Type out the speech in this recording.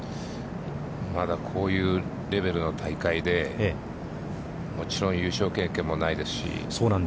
まだこういうレベルの大会で、もちろん優勝経験もないですし。